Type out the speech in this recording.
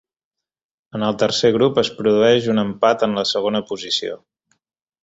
En el tercer grup es produeix un empat en la segona posició.